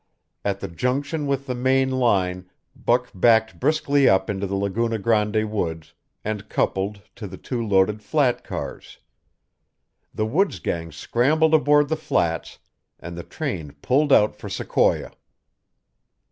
At the junction with the main line Buck backed briskly up into the Laguna Grande woods, and coupled to the two loaded flat cars. The woods gang scrambled aboard the flats, and the train pulled out for Sequoia.